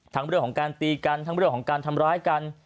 เรื่องของการตีกันทั้งเรื่องของการทำร้ายกัน